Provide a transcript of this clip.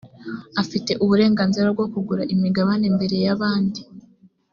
afite uburenganzira bwo kugura imigabane mbere y’abandi .